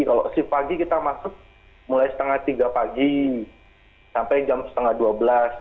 kalau shift pagi kita masuk mulai setengah tiga pagi sampai jam setengah dua belas